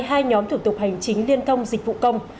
hai nhóm thủ tục hành chính liên thông dịch vụ công